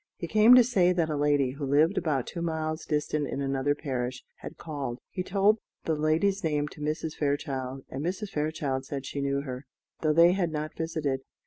He came to say that a lady, who lived about two miles distant in another parish, had called. He told the lady's name to Mrs. Fairchild: and Mrs. Fairchild said she knew her, though they had not visited.